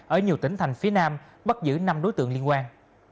ở nhiều tỉnh thành phía nam bắt giữ năm đối tượng liên quan